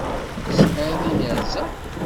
Tisεiḍ inerza?